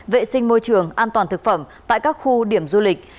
vệ sinh môi trường an toàn thực phẩm tại các khu điểm du lịch